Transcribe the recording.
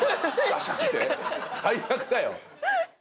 最悪だよ。